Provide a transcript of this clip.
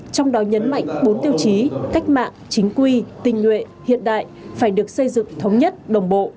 trong đó nhấn mạnh bốn tiêu chí cách mạng chính quy tình nguyện hiện đại phải được xây dựng thống nhất đồng bộ